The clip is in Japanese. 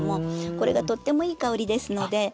これがとってもいい香りですので。